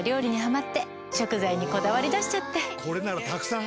これならたくさん入るな。